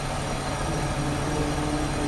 হ্যাঁ, একটু পানি পেলে গলাটা ভেজানো যাবে!